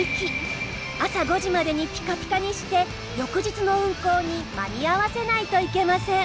朝５時までにピカピカにして翌日の運航に間に合わせないといけません。